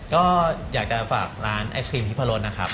ก็อยากจะฝากร้านไอศครีมทิพรสนะครับ